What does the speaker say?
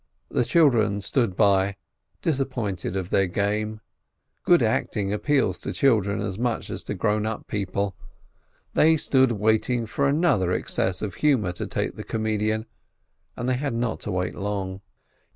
The children stood by, disappointed of their game. Good acting appeals to children just as much as to grown up people. They stood waiting for another access of humour to take the comedian, and they had not to wait long.